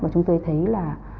mà chúng tôi thấy là